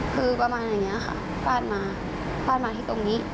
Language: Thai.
คือประมาณอย่างนี้ค่ะฟาดมาฟาดมาที่ตรงนี้